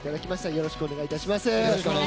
よろしくお願いします。